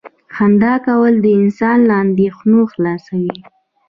• خندا کول انسان له اندېښنو خلاصوي.